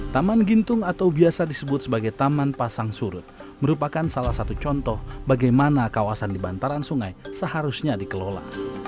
taman gintung atau biasa disebut sebagai taman pasang surut merupakan salah satu contoh bagaimana kawasan di bantaran sungai seharusnya dikelola